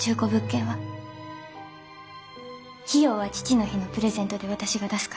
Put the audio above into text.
費用は父の日のプレゼントで私が出すから。